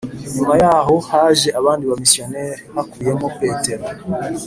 Nyuma yaho haje abandi bamisiyonari hakubiyemo Petero